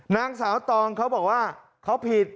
นางสาวตองเขาบอกว่าเขาผิด